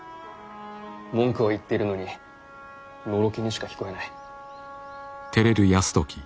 文句を言ってるのにのろけにしか聞こえない。